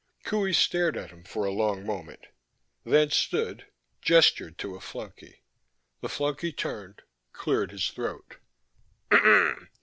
Qohey stared at him for a long moment, then stood, gestured to a flunky. The flunky turned, cleared his throat.